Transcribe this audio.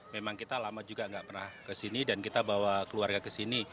memang kita lama juga nggak pernah kesini dan kita bawa keluarga ke sini